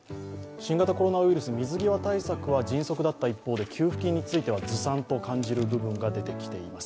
新型コロナウイルス水際対策は迅速だった一方で、給付金については、ずさんと感じる部分が出てきています。